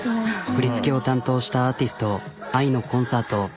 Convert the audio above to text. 振り付けを担当したアーティストＡＩのコンサート。